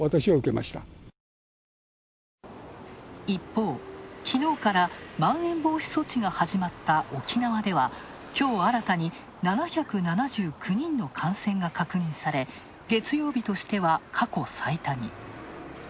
一方、きのうから、まん延防止措置が始まった沖縄ではきょう新たに７７９人の感染が確認され、月曜日としては過去最多に。